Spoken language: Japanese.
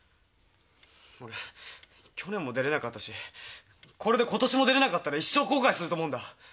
俺去年も出れなかったしこれで今年も出れなかったら一生後悔すると思うんだ。